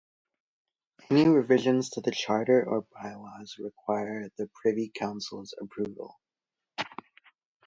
Any revisions to the Charter or Byelaws require the Privy Council's approval.